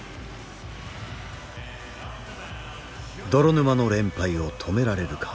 泥沼の連敗を止められるか。